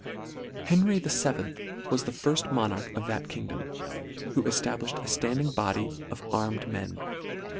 Henry the feventh was the firft monarch of that kingdom, who eftablished a flanding body of armed men.